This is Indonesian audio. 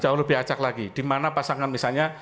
jauh lebih ajak lagi di mana pasangan misalnya